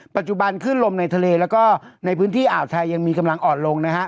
ปัจจุบันขึ้นลมในทะเลแล้วก็ในพื้นที่อ่าวไทยยังมีกำลังอ่อนลงนะฮะ